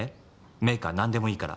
メーカーなんでもいいから。